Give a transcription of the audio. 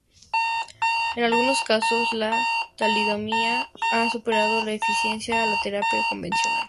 En algunos casos la talidomida ha superado en eficiencia a la terapia convencional.